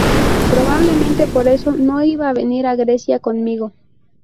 Probablemente por eso no iba a venir a Grecia conmigo.